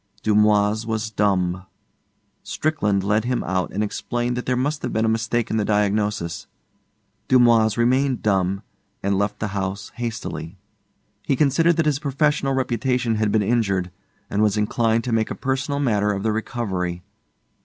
Dumoise was dumb. Strickland led him out and explained that there must have been a mistake in the diagnosis. Dumoise remained dumb and left the house hastily. He considered that his professional reputation had been injured, and was inclined to make a personal matter of the recovery.